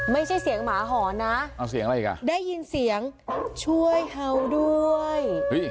ไม่ใช่เสียงหมาห่อนนะได้ยินเสียงช่วยเขาด้วย